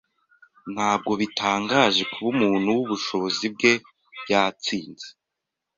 Ntabwo bitangaje kuba umuntu wubushobozi bwe yatsinze.